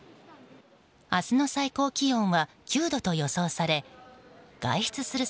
明日の最高気温は９度と予想され外出する